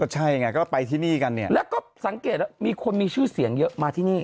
ใช่ไงก็ไปที่นี่กันเนี่ยแล้วก็สังเกตแล้วมีคนมีชื่อเสียงเยอะมาที่นี่